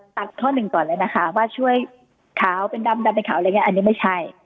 ตัดข้อหนึ่งก่อนเลยนะคะว่าช่วยขาวเป็นดำเป็นขาวอะไรอย่างนี้อันนี้ไม่ใช่